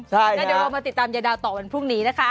แล้วเดี๋ยวเรามาติดตามยายดาวต่อวันพรุ่งนี้นะคะ